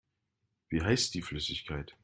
Wie heißt die Flüssigkeit?